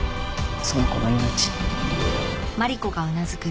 その子の命。